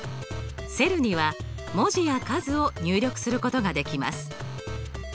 セルには文字や数を入力することができます。